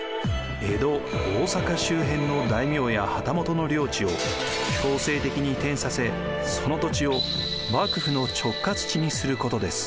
江戸・大坂周辺の大名や旗本の領地を強制的に移転させその土地を幕府の直轄地にすることです。